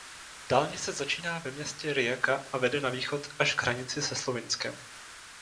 Dálnice začíná ve městě Rijeka a vede na východ až k hranici se Slovinskem.